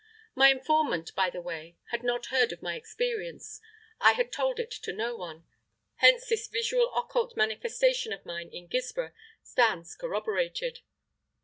My informant, by the way, had not heard of my experience; I had told it to no one: hence this visual occult manifestation of mine in Guilsborough stands corroborated.